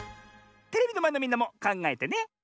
テレビのまえのみんなもかんがえてね。